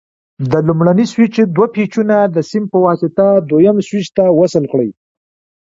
د لومړني سویچ دوه پېچونه د سیم په واسطه دویم سویچ ته وصل کړئ.